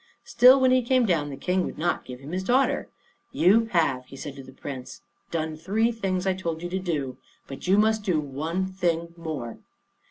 Still, when he came down, the King would not give him his daughter. "You have," he said to the Prince, "done the three things I told you to do; but you must do one thing more."